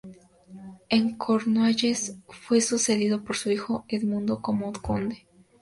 En Cornualles fue sucedido por su hijo Edmundo como conde.